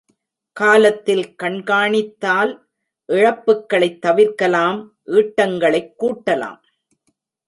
காலத்தில் கண்காணித்தால் இழப்புக்களைத் தவிர்க்கலாம் ஈட்டங்களைக் கூட்டலாம்.